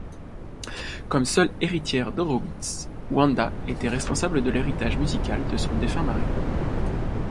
Comme seule héritière d'Horowitz, Wanda était responsable de l'héritage musical de son défunt mari.